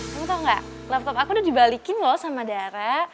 kamu tau gak laptop aku udah dibalikin loh sama darah